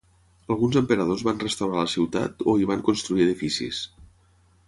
Alguns emperadors van restaurar la ciutat o hi van construir edificis.